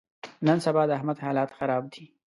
نن سبا د احمد حالت خراب دی.